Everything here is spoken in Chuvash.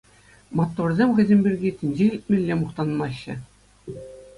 Маттурсем хӑйсем пирки тӗнче илтмелле мухтанмаҫҫӗ.